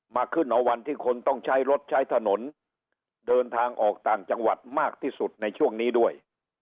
มาขึ้นเอาวันที่คนต้องใช้รถใช้ถนนเดินทางออกต่างจังหวัดมากที่สุดในช่วงนี้ด้วย